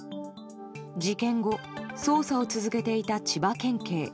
事件後捜査を続けていた千葉県警。